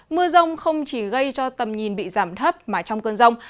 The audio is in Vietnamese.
mưa rông không chỉ gây cho tầm nhìn bị giảm thấp mà trong cơn rông